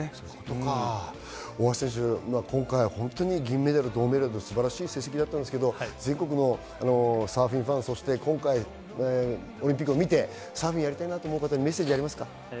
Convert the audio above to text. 今回、銅メダル、銀メダルと素晴らしい結果だったんですけれども、サーフィンファン、オリンピックを見てサーフィンやりたいなという方にメッセージありますか？